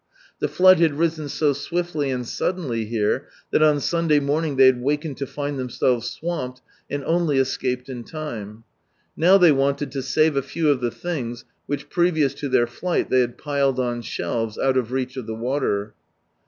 The flood had risen so swiftly a*^iiddenly here, that on Sunday morning they had wakened to find themselves swamped, and only escaped in time. Now they wanted to save a few of the things which previous to their flight they had piled on shelves out of reach of the water.